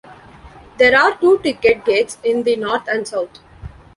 There are two ticket gates in the north and south.